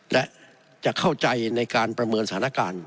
และจะเข้าใจในการประเมินสถานการณ์